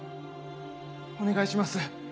お願いします。